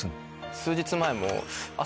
数日前も。